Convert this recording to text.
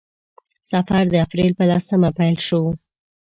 سفر د اپریل په لسمه پیل شو.